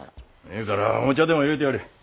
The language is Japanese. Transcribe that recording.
ええからお茶でもいれてやれ。